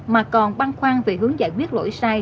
mà còn băng khoan về hướng giải quyết lỗi sai